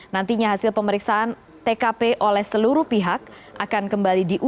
nantinya hasil pemeriksaan tkp oleh seluruh pihak akan kembali diulang